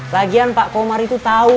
lagian pak komar itu tahu